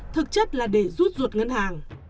thực chất là để rút ruột ngân hàng